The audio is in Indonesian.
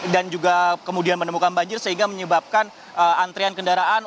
dan juga kemudian menemukan banjir sehingga menyebabkan antrian kendaraan